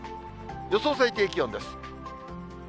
予想最低気温です。